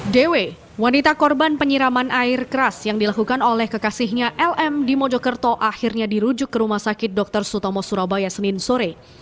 dw wanita korban penyiraman air keras yang dilakukan oleh kekasihnya lm di mojokerto akhirnya dirujuk ke rumah sakit dr sutomo surabaya senin sore